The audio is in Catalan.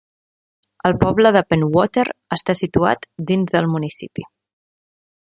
El poble de Pentwater està situat dins del municipi.